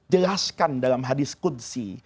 jelaskan dalam hadis qudsi